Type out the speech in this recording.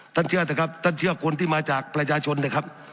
เชื่อเถอะครับท่านเชื่อคนที่มาจากประชาชนนะครับ